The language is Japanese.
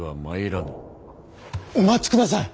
お待ちください。